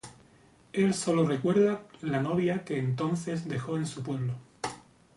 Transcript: Él sólo recuerda la novia que entonces dejó en su pueblo.